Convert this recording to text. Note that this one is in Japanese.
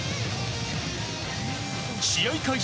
試合開始